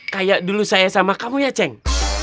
kayak dulu saya sama kamu ya ceng